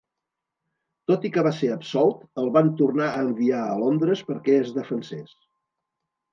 Tot i que va ser absolt, el van tornar a enviar a Londres perquè es defensés.